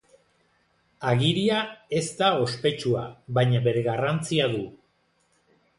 Agiria ez da ospetsua, baina bere garrantzia du.